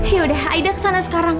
yaudah aida kesana sekarang